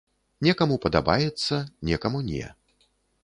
Некаму падабаецца, некаму не.